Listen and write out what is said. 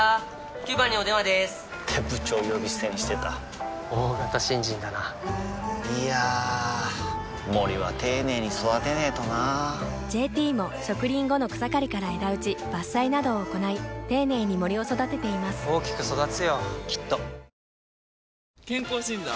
９番にお電話でーす！って部長呼び捨てにしてた大型新人だないやー森は丁寧に育てないとな「ＪＴ」も植林後の草刈りから枝打ち伐採などを行い丁寧に森を育てています大きく育つよきっと健康診断？